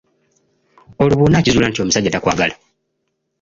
Olwo bw'onakizuula nti omusajja takwagala?